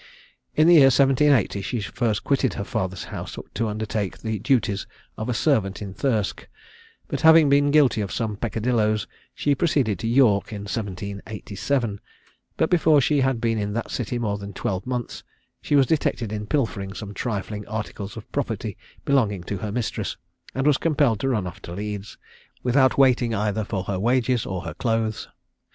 In the year 1780, she first quitted her father's house, to undertake the duties of a servant in Thirsk, but having been guilty of some peccadilloes, she proceeded to York in 1787; but before she had been in that city more than twelve months, she was detected in pilfering some trifling articles of property belonging to her mistress, and was compelled to run off to Leeds, without waiting either for her wages or her clothes.